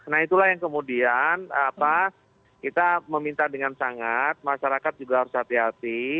nah itulah yang kemudian kita meminta dengan sangat masyarakat juga harus hati hati